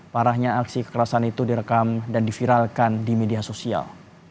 parahnya aksi kekerasan itu direkam dan diviralkan di media sosial